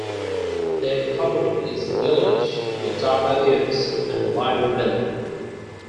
Their coloring is yellowish, with darker ears and a lighter belly.